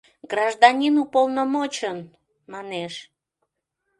— Гражданин уполномочын! — манеш.